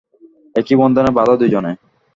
একি বন্ধনে বাঁধা দু’জনে!